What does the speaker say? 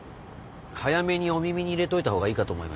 早めにお耳に入れといたほうがいいかと思いまして。